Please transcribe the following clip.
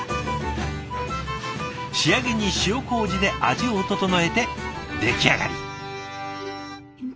仕上げに塩こうじで味を調えて出来上がり。